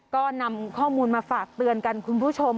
ก็นำข้อมูลมาฝากเตือนกันคุณผู้ชม